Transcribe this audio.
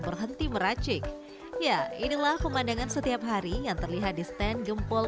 berhenti meracik ya inilah pemandangan setiap hari yang terlihat di stand gempol